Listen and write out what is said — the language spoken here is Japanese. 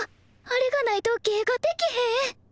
あれがないと芸ができへんえ！